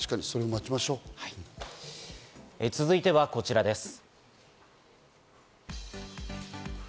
待ちま続いてはこちらです。